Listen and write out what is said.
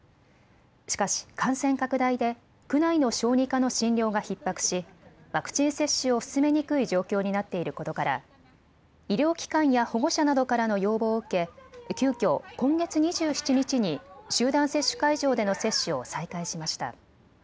しかし感染拡大で区内の小児科の診療がひっ迫しワクチン接種を進めにくい状況になっていることから医療機関や保護者などからの要望を受け急きょ、今月２７日に集団接種会場での接種を再開しました。